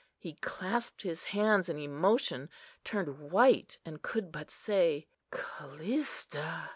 He clasped his hands in emotion, turned white, and could but say, "Callista!"